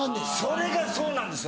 それがそうなんですよ